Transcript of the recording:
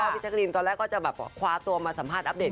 พี่เจ้ารินตอนแรกจะคว้าตัวมาสัมภาษณ์อัพเดต